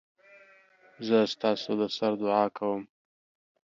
زه ستاسودسر دعاکوم